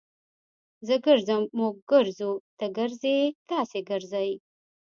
زه ګرځم. موږ ګرځو. تۀ ګرځې. تاسي ګرځئ.